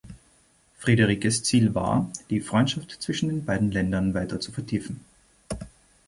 Friederikes Ziel war, die Freundschaft zwischen den beiden Ländern weiter zu vertiefen.